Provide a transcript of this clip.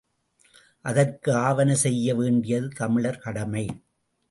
அதற்கு ஆவன செய்ய வேண்டியது தமிழர் கடமை.